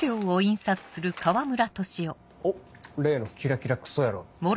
おっ例のキラキラクソ野郎。